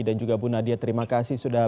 dan juga bu nadia terima kasih sudah